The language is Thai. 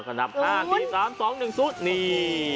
๕๔๓๒๑สุดนี่